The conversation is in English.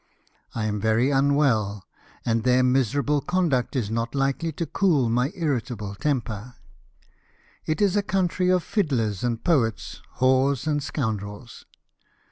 I am very unwell, and their miserable conduct is not likely to cool my irritable temper. It is a country of fiddlers and poets, whores and scoundrels."